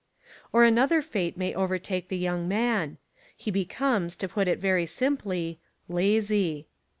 Or another fate may overtake the young man. He becomes, to put it very simply, lazy.